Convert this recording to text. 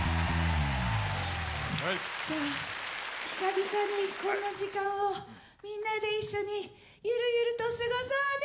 じゃあ久々にこんな時間をみんなで一緒にゆるゆると過ごそうね！